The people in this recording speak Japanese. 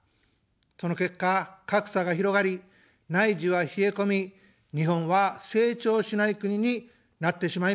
その結果、格差が広がり、内需は冷え込み、日本は「成長しない国」になってしまいました。